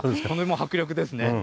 これも迫力ですね。